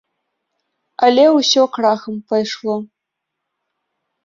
Але ўсё крахам пайшло.